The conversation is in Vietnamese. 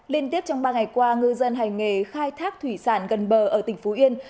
liên tiếp trong ba ngày qua ngư dân hành nghề khai thác thủy sản gần bờ ở tỉnh phú yên